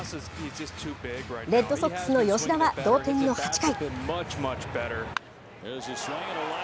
レッドソックスの吉田は、同点の８回。